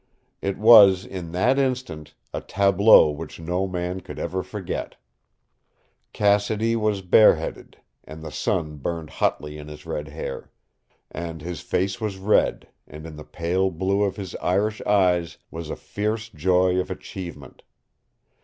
It was, in that instant, a tableau which no man could ever forget. Cassidy was bareheaded, and the sun burned hotly in his red hair. And his face was red, and in the pale blue of his Irish eyes was a fierce joy of achievement.